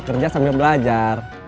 kenapa pergi dari terminal